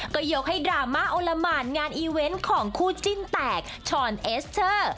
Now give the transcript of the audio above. ก็ยกให้ดราม่าโอละหมานงานอีเวนต์ของคู่จิ้นแตกชอนเอสเตอร์